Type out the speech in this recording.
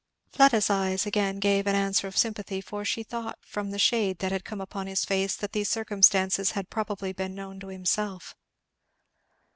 Fleda's eyes again gave an answer of sympathy, for she thought from the shade that had come upon his face that these circumstances had probably been known to himself.